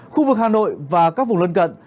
khu vực hà nội và các vùng lân cận